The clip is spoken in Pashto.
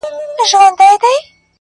o د دښمن کره ورځم، دوست مي گرو دئ.